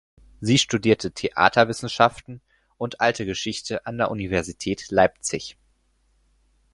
Sie studierte Theaterwissenschaften und Alte Geschichte an der Universität Leipzig.